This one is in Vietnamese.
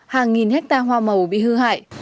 hàng nghìn ha hoa màu bị hư hại